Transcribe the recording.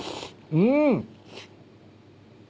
うん。